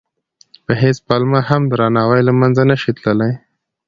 په هېڅ پلمه هم درناوی له منځه نه شي تللی.